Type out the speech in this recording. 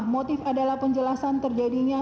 motif adalah penjelasan terjadinya